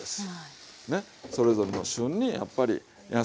それぞれの旬にやっぱり野菜。